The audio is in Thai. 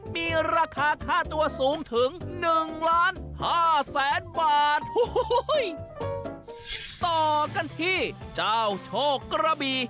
มีราคาค่าตัวสูงถึงหนึ่งล้านห้าแสนบาทโอ้โหต่อกันที่เจ้าโชคกระบี่